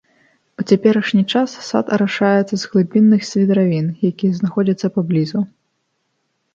У цяперашні час сад арашаецца з глыбінных свідравін, якія знаходзяцца паблізу.